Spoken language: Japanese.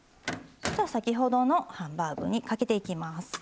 じゃあ先ほどのハンバーグにかけていきます。